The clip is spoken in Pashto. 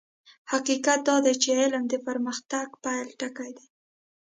حقيقت دا دی چې علم د پرمختګ پيل ټکی دی.